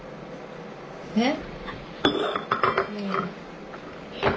えっ？